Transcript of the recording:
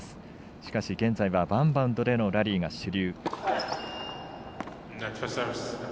しかし、現在はワンバウンドまでのラリーが主流。